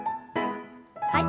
はい。